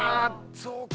そうか。